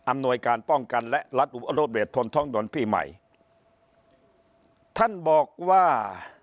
อำนวยการป้องกันและรัฐอุบัติเวทย์ทนท่องดนที่ใหม่ท่านบอกว่า